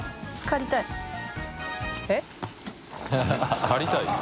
漬かりたい」？